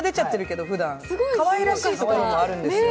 かわいらしいところもあるんですよ。